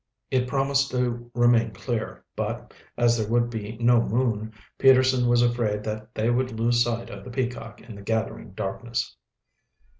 It promised to remain clear, but, as there would be no moon, Peterson was afraid that they would lose sight of the Peacock in the gathering darkness.